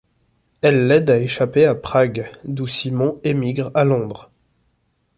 Elle l'aide à échapper à Prague, d'où Simon émigre à Londres.